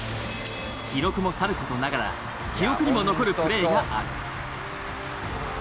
記録もさる事ながら記憶にも残るプレーがある。